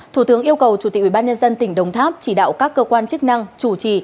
thủ tướng yêu cầu chủ tịch ubnd tỉnh đồng tháp chỉ đạo các cơ quan chức năng chủ trì